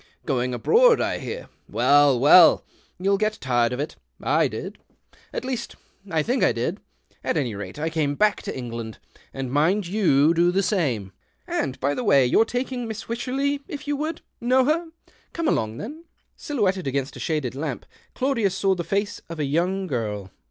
Going abroad, I hear. Well, well — you'll get tired of it. I did — at least, I tliink I did. At any rate, I came back to England — and mind you do the same. And, by the way, you're taking in Miss Wycherley, if you would. Know her '\ Come along, then." Silhouetted against a shaded lamp, Claudius saw the foce of a young girl.